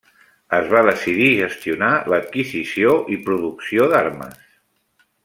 Es va decidir gestionar l'adquisició i producció d'armes.